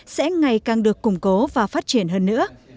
sẽ ngày càng được củng cố và phát triển hơn nữa